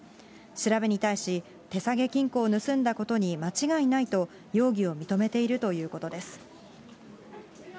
調べに対し、手提げ金庫を盗んだことに間違いないと、容疑を認めているということです。